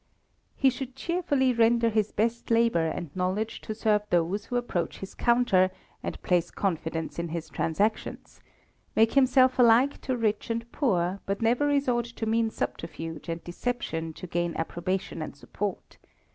He should cheerfully render his best labour and knowledge to serve those who approach his counter, and place confidence in his transactions; make himself alike to rich and poor, but never resort to mean subterfuge and deception to gain approbation and support.